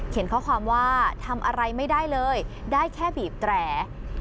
ข้อความว่าทำอะไรไม่ได้เลยได้แค่บีบแตร